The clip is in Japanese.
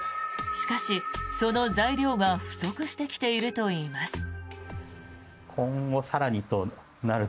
しかし、その材料が不足してきているといいます。